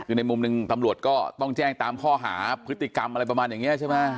คือในมุมหนึ่งตำรวจก็ต้องแจ้งตามข้อหาพฤติกรรมอะไรประมาณอย่างนี้ใช่ไหม